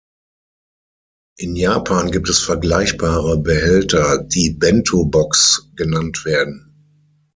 In Japan gibt es vergleichbare Behälter, die Bentō-Box genannt werden.